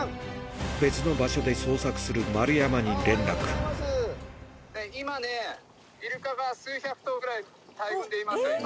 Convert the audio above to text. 別の場所で捜索する丸山に連今ね、イルカが数百頭ぐらい大群でいます。